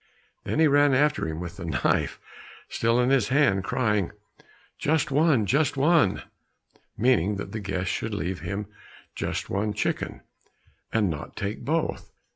Then he ran after him with the knife still in his hand, crying, "Just one, just one," meaning that the guest should leave him just one chicken, and not take both.